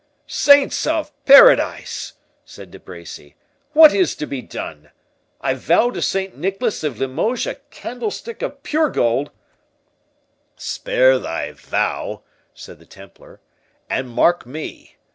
"Saints of Paradise!" said De Bracy; "what is to be done? I vow to Saint Nicholas of Limoges a candlestick of pure gold—" "Spare thy vow," said the Templar, "and mark me.